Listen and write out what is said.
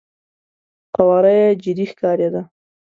قواره يې جدي ښکارېده.